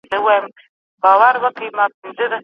پلار به ساعت په لږ قيمت ونه پلوري.